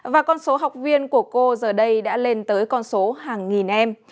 và con số học viên của cô giờ đây đã lên tới con số hàng nghìn em